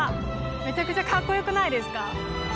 めちゃくちゃかっこよくないですか。